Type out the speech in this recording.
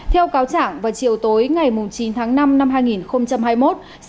theo cáo trạng vào chiều tối ngày chín tháng năm năm hai nghìn hai mươi một